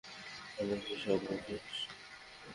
তাহলে কি সব শেষ?